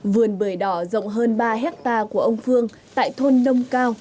vườn bưởi đỏ rộng hơn ba hectare của ông phương tại thôn nông cao